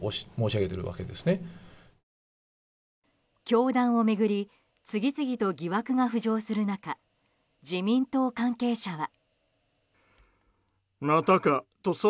教団を巡り次々と疑惑が浮上する中自民党関係者は。